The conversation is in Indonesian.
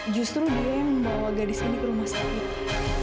justru dia yang membawa gadis ini ke rumah sakit